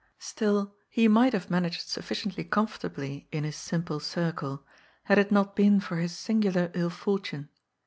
Still, he might have managed sufficiently comfortably in his simple circle, had it not been for his singular ill for tune.